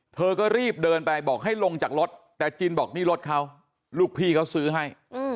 เธอก็รีบเดินไปบอกให้ลงจากรถแต่จินบอกนี่รถเขาลูกพี่เขาซื้อให้